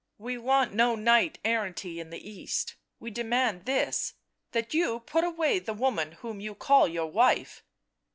" We want no knight erranty in the East: we demand this — that you put away the woman whom you call your wife."